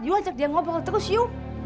you ajak dia ngobrol terus you